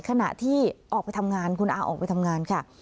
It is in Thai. ขณะที่ออกไปทำงานคุณอาออกไปทำงานค่ะ